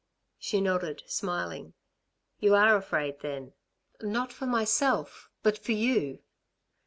She nodded, smiling. "You are afraid, then?" "Not for myself but for you."